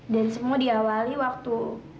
dan semua diawali waktu